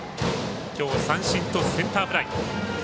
きょう、三振とセンターフライ。